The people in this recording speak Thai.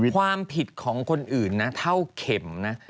ความผิดของคนอื่นนะเท่าเข็มนะ